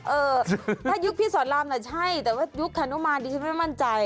เออถ้ายุคพี่สอนรามน่ะใช่แต่ว่ายุคคานุมานดิฉันไม่มั่นใจ